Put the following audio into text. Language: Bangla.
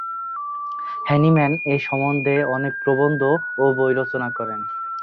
হ্যানিম্যান এ সমন্ধে অনেক প্রবন্ধ ও বই রচনা করেন।